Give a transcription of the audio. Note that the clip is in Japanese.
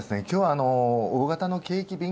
今日は大型の景気